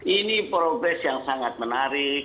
ini progres yang sangat menarik